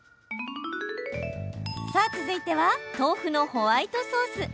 続いては、豆腐のホワイトソース。